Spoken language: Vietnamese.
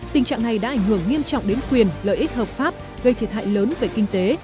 tình trạng này đã ảnh hưởng nghiêm trọng đến quyền lợi ích hợp pháp gây thiệt hại lớn về kinh tế